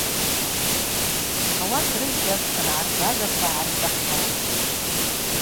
Ауат рызджьакӏ ргӏарбараква гӏархӏвахьатӏ.